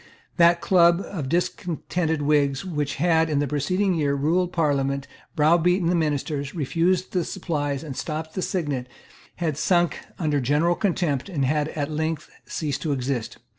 That club of discontented Whigs which had, in the preceding year, ruled the Parliament, browbeaten the ministers, refused the supplies and stopped the signet, had sunk under general contempt, and had at length ceased to exist.